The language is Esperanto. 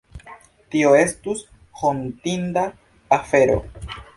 Tio estus hontinda afero.